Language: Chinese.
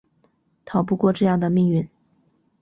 逃不过这样的命运